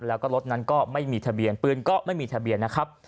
แล้วก็รถนั้นก็ไม่มีทะเบียนปืนก็ไม่มีทะเบียนนะครับ